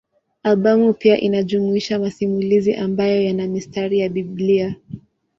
Albamu pia inajumuisha masimulizi ambayo yana mistari ya Biblia.